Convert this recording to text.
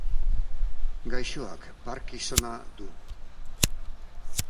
Gaixoak Parkinsona du.